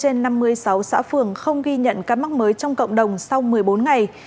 trong năm hai nghìn một mươi sáu xã phường không ghi nhận các mắc mới trong cộng đồng sau một mươi bốn ngày